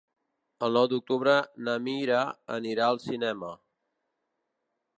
El nou d'octubre na Mira anirà al cinema.